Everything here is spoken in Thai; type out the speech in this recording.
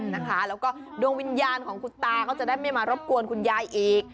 แล้วก็ดวงวิญญาณของคุณตาก็จะได้ไม่มารบกวนคุณยายอีก